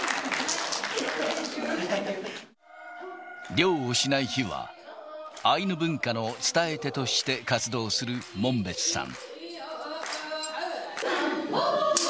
猟をしない日は、アイヌ文化の伝え手として活動する門別さん。